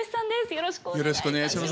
よろしくお願いします。